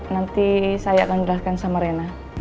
nanti saya akan jelaskan sama rena